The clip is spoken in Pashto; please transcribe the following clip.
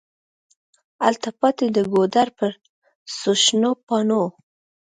هلته پاتي د ګودر پر څوشنو پاڼو